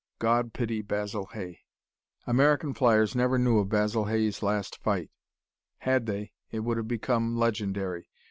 God pity Basil Hay!" American flyers never knew of Basil Hay's last fight. Had they, it would have become legendary.